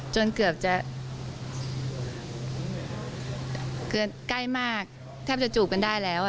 จนเกือบจะคือใกล้มากแทบจะจูบกันได้แล้ว